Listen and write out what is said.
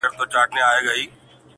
یو سړی نسته چي ورکړي تعویذونه -